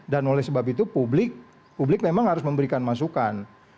dan oleh sebab itu publik memang harus memberikan masukan